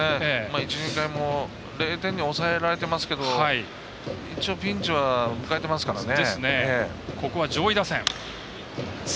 １２回も０点に抑えられますけど一応ピンチは迎えていますからね。